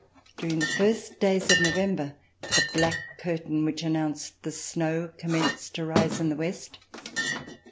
During the first days of November, the black curtain which an nounced the snow commenced to rise in the west.